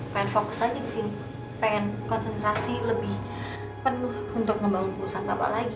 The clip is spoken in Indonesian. pengen fokus aja disini pengen konsentrasi lebih penuh untuk membangun perusahaan bapak lagi